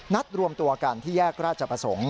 นัดรวมตัวกันที่แยกราชประสงค์